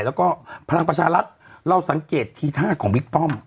แล้วก็พลังประชารัฐเราสังเกตทีท่าของบิ๊กป้อม